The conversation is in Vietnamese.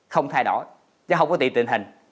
không thay đổi chứ không có tình hình